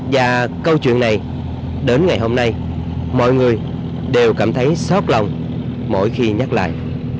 và câu chuyện này đến ngày hôm nay mọi người đều cảm thấy sót lòng mỗi khi nhắc lại